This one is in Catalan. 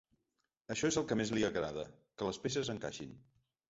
Això és el que més li agrada, que les peces encaixin.